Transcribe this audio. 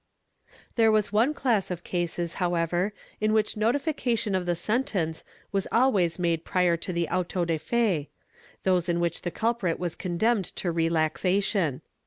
There was one class of cases, however, in which notification of the sentence was always made prior to the auto de fe — those in which the culprit was condemned to relaxation.